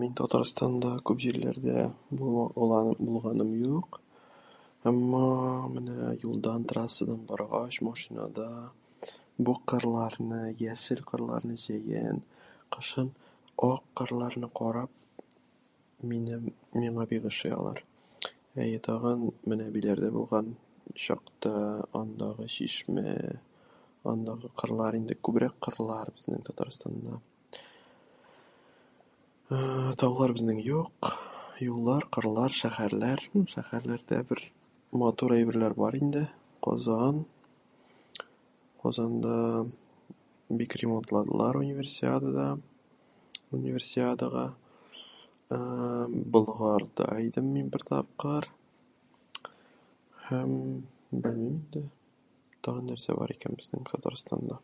Мин Татарстанда күп җирләрдә бу- у- булганым юк. Һәм ме- менә юлдан трассада баргач, машинада бу ... кырларны, яшел кырларны җәен, кышын ак кырларны карап, минем миңа бик ошый алар. Әйе, тагын менә Биләрдә булган чакта. Андагы чишмә, андагы кырлар инде, күбрәк кырлар безнең Татарстанда. Ә-ә-ә таулар бездә юк. Юллар, кырлар, шәһәрләр, ну шәһәрләрдә бер матур әйберләр бар инде. Казан ... Казанда бик ремонтланды универсиадада ... универсиадага. Ә-ә Болгарда идем мин бер тапкыр. Һәмм белмим инде тагын нәрсә бар икән безнең Татарстанда.